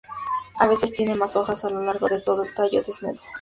A veces tiene más hojas a lo largo de todo el tallo desnudo.